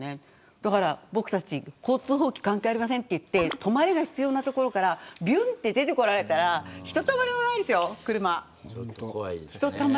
だから僕たち交通法は関係ありませんと言って止まれが必要な所から出てこられたらひとたまりもないですよ、車。